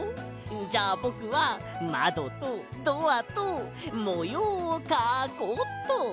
じゃあぼくはまどとドアともようをかこうっと！